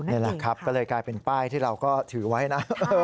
นี่แหละครับก็เลยกลายเป็นป้ายที่เราก็ถือไว้นะ